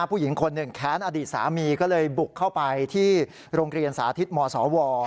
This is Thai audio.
ผู้หญิงคนหนึ่งแค้นอดีตสามีก็เลยบุกเข้าไปที่โรงเรียนสาธิตมศว